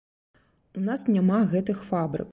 У нас няма гэтых фабрык.